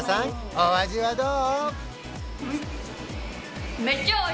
お味はどう？